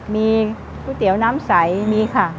มีก๋วยเตี๋ยวน้ำใสมีค่ะ